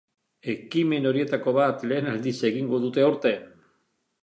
Ekimen horietako bat lehen aldiz egingo dute aurten.